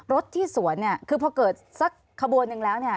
รถที่สวนคือพอเกิดสักขบวนหนึ่งแล้ว